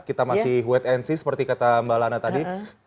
kita masih wait and see seperti kata mbak lana tadi